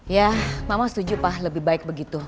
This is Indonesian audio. ya mama setuju pak lebih baik begitu